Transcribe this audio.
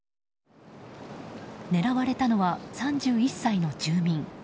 狙われたのは３１歳の住民。